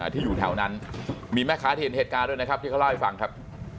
ที่อยู่แถวนั้นมีแม่ค้าที่เห็นเหตุการณ์ด้วยนะครับที่เขาเล่าให้ฟังครับ